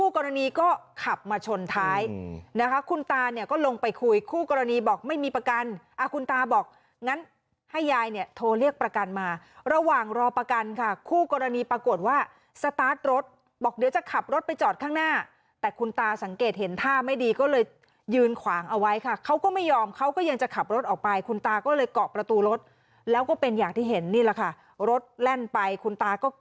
กรณีก็ขับมาชนท้ายนะคะคุณตาเนี่ยก็ลงไปคุยคู่กรณีบอกไม่มีประกันคุณตาบอกงั้นให้ยายเนี่ยโทรเรียกประกันมาระหว่างรอประกันค่ะคู่กรณีปรากฏว่าสตาร์ทรถบอกเดี๋ยวจะขับรถไปจอดข้างหน้าแต่คุณตาสังเกตเห็นท่าไม่ดีก็เลยยืนขวางเอาไว้ค่ะเขาก็ไม่ยอมเขาก็ยังจะขับรถออกไปคุณตาก็เลยเกาะประตูรถแล้วก็เป็นอย่างที่เห็นนี่แหละค่ะรถแล่นไปคุณตาก็ก